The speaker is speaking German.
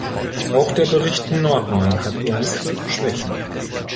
Auch der Bericht Nordmann hat ernste Schwächen.